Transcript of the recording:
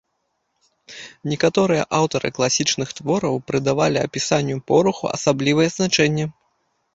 Некаторыя аўтары класічных твораў прыдавалі апісанню пораху асаблівае значэнне.